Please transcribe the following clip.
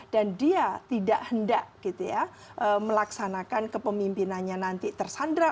dan dia tidak hendak melaksanakan kepemimpinannya nanti tersandra